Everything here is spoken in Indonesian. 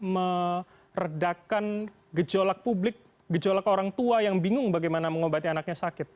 meredakan gejolak publik gejolak orang tua yang bingung bagaimana mengobati anaknya sakit